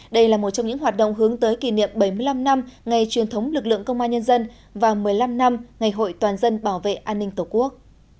đây là một trong những hoạt động hướng tới kỷ niệm bảy mươi năm năm ngày truyền thống lực lượng công an nhân dân và một mươi năm năm ngày hội toàn dân bảo vệ an ninh tổ quốc